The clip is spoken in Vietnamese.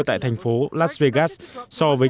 tại thành phố las vegas so với